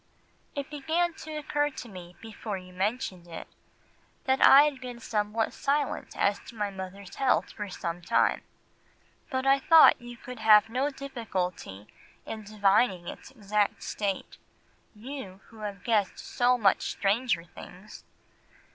"It began to occur to me before you mentioned it, that I had been somewhat silent as to my mother's health for some time, but I thought you could have no difficulty in divining its exact state—you, who have guessed so much stranger things.